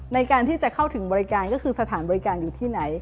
ในการที่จะเข้าถึงบริการก็คือสถานบริการอยู่ที่ไหน